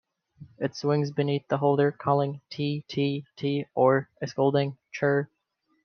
It swings beneath the holder, calling "tee, tee, tee" or a scolding "churr".